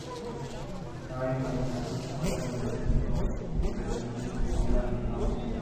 Hay monumentos, escuelas, avenida y un corregimiento que llevan su nombre.